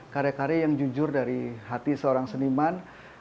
karya karya yang jujur dari hati seorang seniman